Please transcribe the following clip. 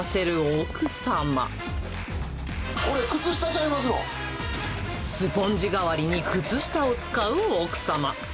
これ、スポンジ代わりに靴下を使う奥様。